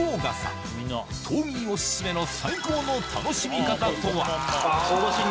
島民お薦めの最高の楽しみ方とは？